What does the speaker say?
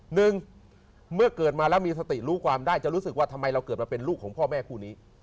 หนึ่งเมื่อเกิดมาแล้วมีสติรู้ความได้จะรู้สึกว่าทำไมเราเกิดมาเป็นลูกของพ่อแม่คู่นี้